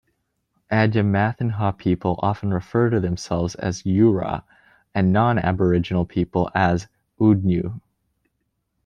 Adnyamathanha people often refer to themselves as '"yura"', and non-Aboriginal people as "'udnyu"'.